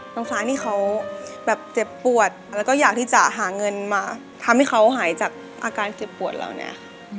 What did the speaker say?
ฟ้านี่เขาแบบเจ็บปวดแล้วก็อยากที่จะหาเงินมาทำให้เขาหายจากอาการเจ็บปวดเหล่านี้ค่ะ